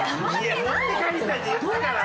持って帰りたいって言ったから。